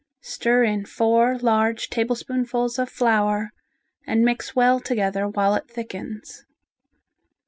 Stir in four large tablespoonfuls of flour and mix well together while it thickens.